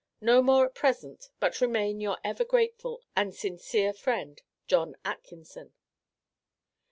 No more at present, but remain your ever grateful and sincere friend, JOHN ATKINSON.